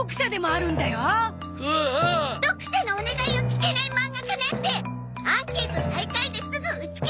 読者のお願いを聞けないマンガ家なんてアンケート最下位ですぐ打ち切りよ！